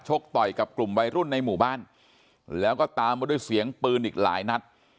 ต่อยกับกลุ่มวัยรุ่นในหมู่บ้านแล้วก็ตามมาด้วยเสียงปืนอีกหลายนัด